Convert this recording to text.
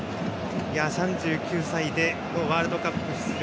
３９歳でワールドカップ出場。